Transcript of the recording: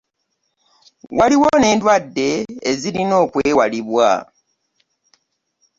waliwo n'eddwadde ezirina okwewalibwa.